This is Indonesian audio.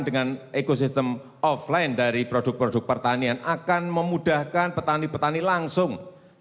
dengan ekosistem offline dari produk produk pertanian akan memudahkan petani petani langsung